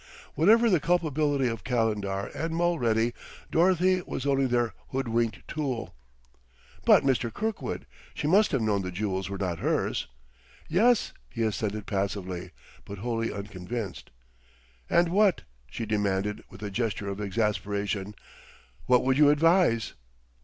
"Whatever the culpability of Calendar and Mulready, Dorothy was only their hoodwinked tool." "But, Mr. Kirkwood, she must have known the jewels were not hers." "Yes," he assented passively, but wholly unconvinced. "And what," she demanded with a gesture of exasperation, "what would you advise?"